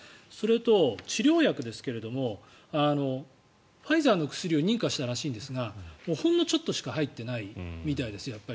それと治療薬ですがファイザーの薬を認可したらしいんですがほんのちょっとしか入ってないみたいです。